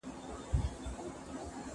زه کتاب ليکلی دی،